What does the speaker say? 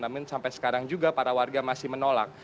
namun sampai sekarang juga para warga masih menolak